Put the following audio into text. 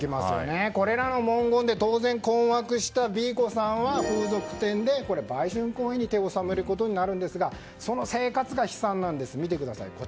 これらの文言で当然、困惑したＢ子さんは風俗店で売春行為に手を染めることになるんですがその生活が悲惨なんです。